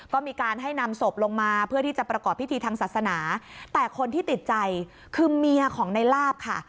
ก็มีการให้นำศพลงมาเพื่อที่จะประกอบพิธีทางศาสนาแต่คนที่ติดใจคือเมียของในลาบค่ะ